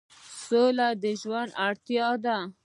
سوله د ژوند اړتیا ده